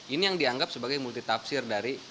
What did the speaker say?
ini yang dianggap sebagai multitapsir